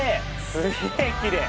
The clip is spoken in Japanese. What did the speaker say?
すげえきれい。